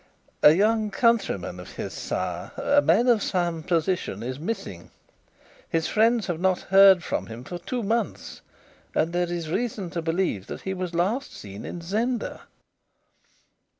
"A young countryman of his, sire a man of some position is missing. His friends have not heard from him for two months, and there is reason to believe that he was last seen in Zenda."